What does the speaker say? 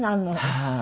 はい。